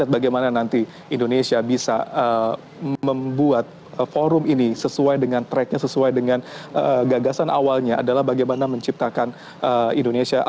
bagaimana nanti indonesia bisa membuat forum ini sesuai dengan tracknya sesuai dengan gagasan awalnya adalah bagaimana menciptakan indonesia